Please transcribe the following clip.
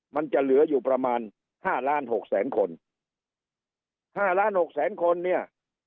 มันจะเหลืออยู่ประมาณห้าล้านหกแสนคนห้าล้านหกแสนคนเนี่ย